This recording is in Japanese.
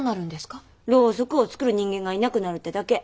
ろうそくを作る人間がいなくなるってだけ。